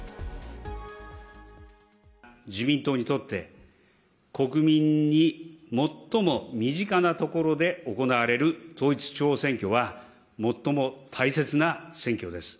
自民党にとって、国民に最も身近なところで行われる統一地方選挙は、最も大切な選挙です。